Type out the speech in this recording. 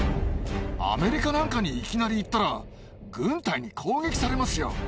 アメリカなんかにいきなり行ったら、軍隊に攻撃されますよ。